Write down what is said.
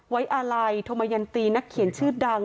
อาลัยธมยันตีนักเขียนชื่อดัง